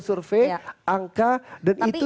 survei angka dan itu